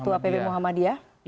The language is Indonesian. ketua pp muhammadiyah